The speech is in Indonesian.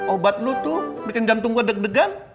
obat lu tuh bikin jantung gue deg degan